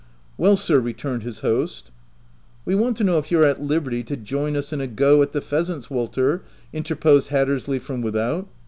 u Well, sir," returned his host. " We want to know if you're at liberty to join us in a go at the pheasants, Walter,' ' interposed Hattersley from without.